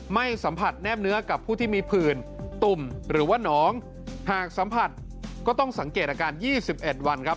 ไม่สัมผัสแนบเนื้อกับผู้ที่มีผื่นตุ่มหรือว่าน้องหากสัมผัสก็ต้องสังเกตอาการ๒๑วันครับ